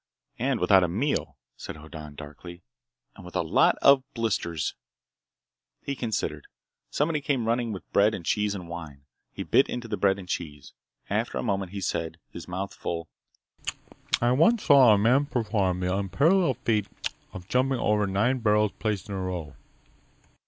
"And without a meal," said Hoddan darkly, "and with a lot of blisters!" He considered. Somebody came running with bread and cheese and wine. He bit into the bread and cheese. After a moment he said, his mouth full: "I once saw a man perform the unparalleled feat of jumping over nine barrels placed in a row.